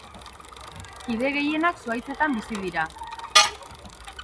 Kide gehienak zuhaitzetan bizi dira.